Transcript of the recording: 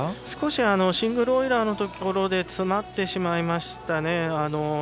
少しシングルオイラーのときに詰まってしまいましたね。